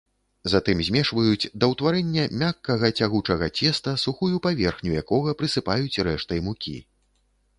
Затым змешваюць да ўтварэння мяккага, цягучага цеста, сухую паверхню якога прысыпаюць рэштай мукі.